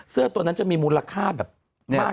เสื้อตัวนั้นจะมีมูลค่าแบบมาก